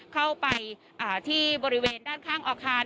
เข้าไปที่บริเวณด้านข้างอาคาร